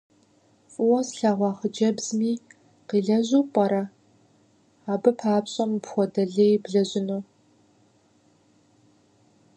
ФӀыуэ слъэгъуа хъыджэбзми къилэжьу пӀэрэ абы папщӀэ мыпхуэдэ лей блэжьыну?